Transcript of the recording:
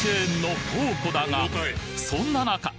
そんな中！